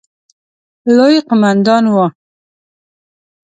لوی قوماندان وو.